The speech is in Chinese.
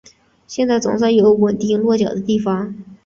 现在总算有稳定落脚的地方